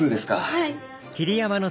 はい。